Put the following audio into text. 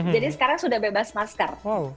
jadi sekarang sudah bebas masker